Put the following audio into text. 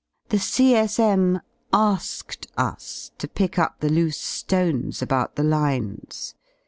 The C.S.M. "asked" us to pick up the loose ^ones about the lines.